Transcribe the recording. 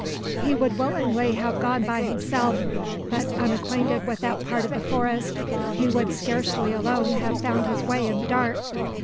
He would willingly have gone by himself, but unacquainted with that part of the forest, he would scarcely alone have found his way in the dark.